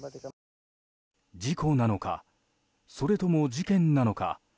事故なのかそれとも事件なのか。